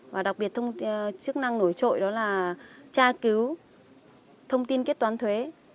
và đặc biệt chức năng nổi trội đó là tra cứu thông tin kết toán thuế